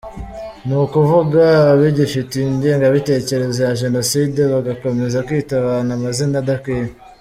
Ni ukuvuga abagifite ingengabitekerezo ya Jenoside bagakomeza kwita abantu amazina adakwiye.